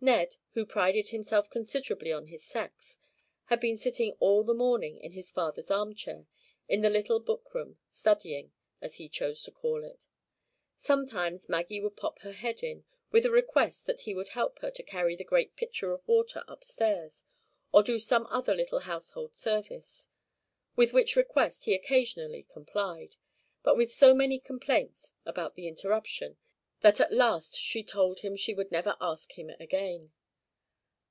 Ned, who prided himself considerably on his sex, had been sitting all the morning, in his father's arm chair, in the little book room, "studying," as he chose to call it. Sometimes Maggie would pop her head in, with a request that he would help her to carry the great pitcher of water up stairs, or do some other little household service; with which request he occasionally complied, but with so many complaints about the interruption, that at last she told him she would never ask him again.